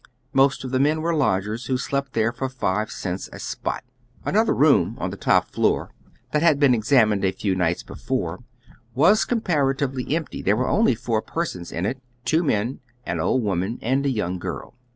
Most of the men were lodgers, who slept there for five cents a spot. Another room ou the top floor, that had been examined a few nights before, was comparatively empty. There were only four persons in it, two jiien, an old woman, and a young girl.